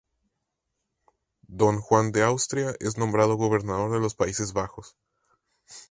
Don Juan de Austria es nombrado gobernador de los Países Bajos.